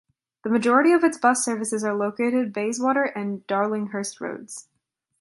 The majority of its bus services are located Bayswater and Darlinghurst Roads.